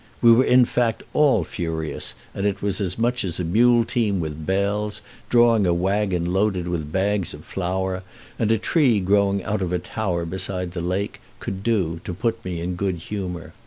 We were in fact all furious, and it was as much as a mule team with bells, drawing a wagon loaded with bags of flower, and a tree growing out of a tower beside the lake, could do to put me in good humor.